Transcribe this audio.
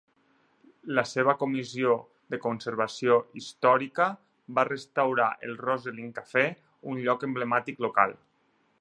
La seva Comissió de Conservació Històrica va restaurar el Rosyln Cafe, un lloc emblemàtic local.